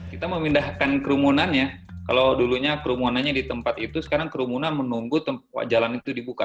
kita memindahkan kerumunan ya kalau dulunya kerumunannya di tempat itu sekarang kerumunan menunggu jalan itu dibuka